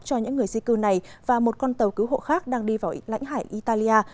cho những người di cư này và một con tàu cứu hộ khác đang đi vào lãnh hải italia